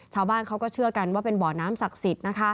ชาวบ้านเขาก็เชื่อกันว่าเป็นบ่อน้ำศักดิ์สิทธิ์นะคะ